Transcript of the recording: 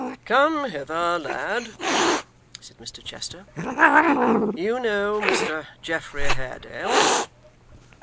'Come hither, lad,' said Mr Chester. 'You know Mr Geoffrey Haredale?